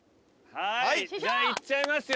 はいじゃあいっちゃいますよ。